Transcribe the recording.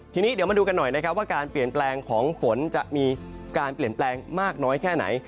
ทีนี้เดี๋ยวมาดูกันหน่อยนะครับว่าการเปลี่ยนแปลงของฝนจะมีการเปลี่ยนแปลงมากน้อยแค่ไหน